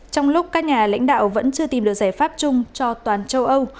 trong lúc các nhà lãnh đạo vẫn chưa tìm được giải pháp chung cho toàn châu âu